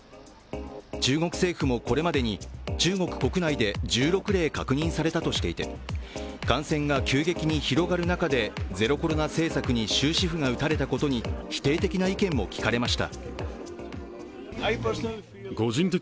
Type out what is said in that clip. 中国政府もこれまでに中国国内で１６例確認されたとしていて感染が急激に広がる中でゼロコロナ政策に終止符が打たれたことに否定的な意見も聞かれました。